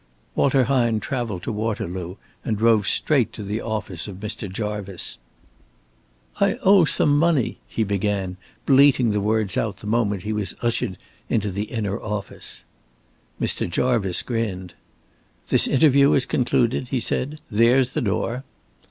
Walter Hine traveled to Waterloo and drove straight to the office of Mr. Jarvice. "I owe some money," he began, bleating the words out the moment he was ushered into the inner office. Mr. Jarvice grinned. "This interview is concluded," he said. "There's the door."